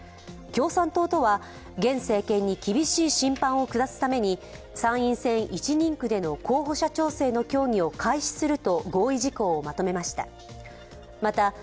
共産党とは現政権に厳しい審判を下すために参院選１人区での候補者調整の協議を開始すると合意事項をまとめました。